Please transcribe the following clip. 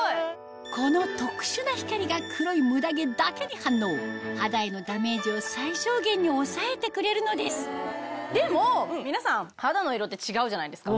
この特殊な光が黒いムダ毛だけに反応肌へのダメージを最小限に抑えてくれるのですでも皆さん肌の色って違うじゃないですか。